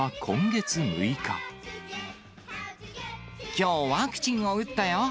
きょう、ワクチンを打ったよ。